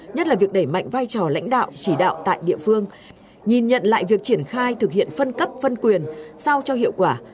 nhất là việc đẩy mạnh vai trò lãnh đạo chỉ đạo tại địa phương nhìn nhận lại việc triển khai thực hiện phân cấp phân quyền sao cho hiệu quả